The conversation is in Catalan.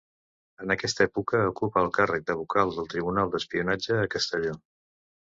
En aquesta època ocupa el càrrec de vocal del Tribunal d'Espionatge a Castelló.